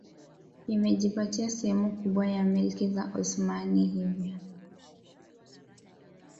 ingejipatia sehemu kubwa za Milki ya Osmani hivyo